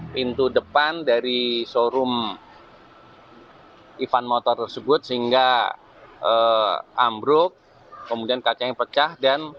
pintu depan dari showroom ivan motor tersebut sehingga ambruk kemudian kacanya pecah dan